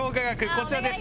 こちらです。